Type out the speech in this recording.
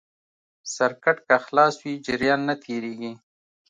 سرکټ که خلاص وي جریان نه تېرېږي.